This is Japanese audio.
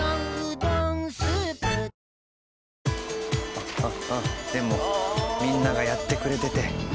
あっあっあっでもみんながやってくれてて。